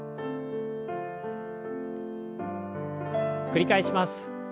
繰り返します。